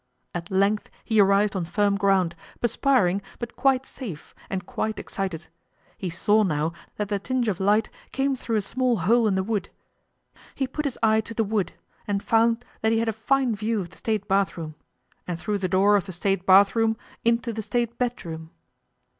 At length he arrived on firm ground, perspiring, but quite safe and quite excited. He saw now that the tinge of light came through a small hole in the wood. He put his eye to the wood, and found that he had a fine view of the State bathroom, and through the door of the State bathroom into the State bedroom.